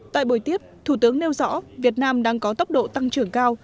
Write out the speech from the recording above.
tại buổi tiếp thủ tướng nêu rõ việt nam đang có tốc độ tăng trưởng cao